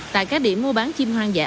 tại các điểm mua bán chim hoang dã